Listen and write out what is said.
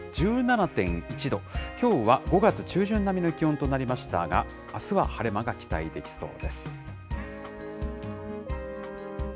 １７．１度、きょうは５月中旬並みの気温となりましたが、あすは晴れ間が期待できそうです。